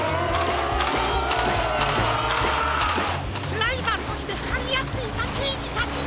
ライバルとしてはりあっていたけいじたちが！